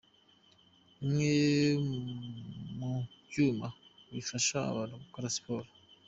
Bimwe mu byuma bifasha abantu gukora Siporo.